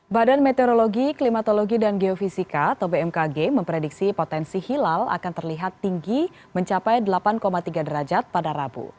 badan meteorologi klimatologi dan geofisika atau bmkg memprediksi potensi hilal akan terlihat tinggi mencapai delapan tiga derajat pada rabu